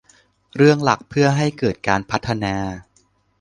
เรื่องหลักเพื่อให้เกิดการพัฒนา